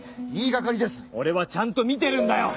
俺はちゃんと見てるんだよ。